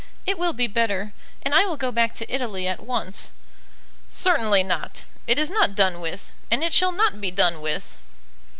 It will be better; and I will go back to Italy at once." "Certainly not. It is not done with, and it shall not be done with."